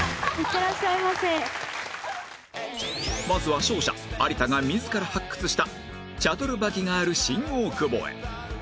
まずは勝者有田が自ら発掘したチャドルバギがある新大久保へ